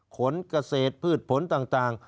ขนเกษตรพืชผลต่าง